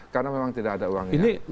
karena memang tidak ada uangnya